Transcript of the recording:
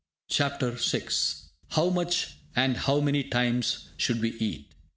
CHAPTER VI HOW MUCH AND HOW MANY TIMES SHOULD WE EAT?